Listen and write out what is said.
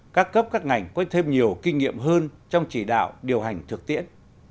các cấp các ngành có thêm nhiều kinh nghiệm hơn trong chỉ đạo điều hành thực tiễn